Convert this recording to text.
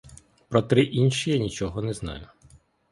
Про три інші я нічого не знаю.